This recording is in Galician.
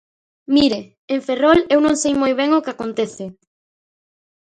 Mire, en Ferrol eu non sei moi ben o que acontece.